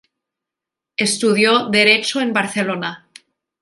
Estudió derecho en Barcelona.